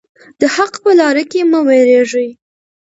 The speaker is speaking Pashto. د حق په لاره کې مه ویریږئ.